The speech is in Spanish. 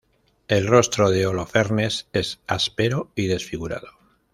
El rostro de Holofernes es áspero y desfigurado.